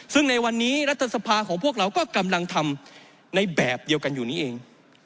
ซึ่งในวันนี้รัฐสภาของพวกเราก็กำลังทำในแบบเดียวกันอยู่นี้เอง